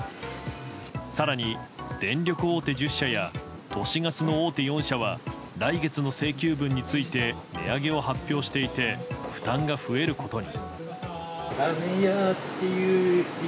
更に電力大手１０社や都市ガスの大手４社は来月の請求分について値上げを発表していて負担が増えることに。